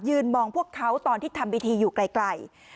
มองพวกเขาตอนที่ทำพิธีอยู่ไกล